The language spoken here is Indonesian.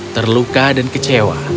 terluka dan kecewa